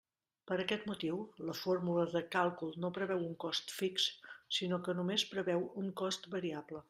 Per aquest motiu, la fórmula de càlcul no preveu un cost fix, sinó que només preveu un cost variable.